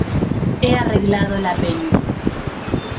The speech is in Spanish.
he arreglado la peli.